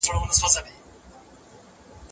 وخت به دا روښانه کړي.